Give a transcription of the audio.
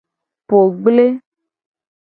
Po gble.